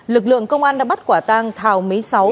lực lượng công an đã bắt quả tang thảo mí sáu